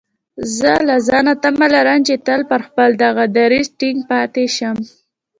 زه له ځانه تمه لرم چې تل پر خپل دغه دريځ ټينګ پاتې شم.